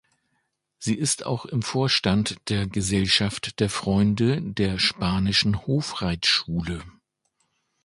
Sie ist auch im Vorstand der "Gesellschaft der Freunde der Spanischen Hofreitschule".